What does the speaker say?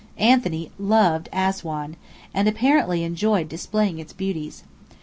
Anthony loved Assuan, and apparently enjoyed displaying its beauties.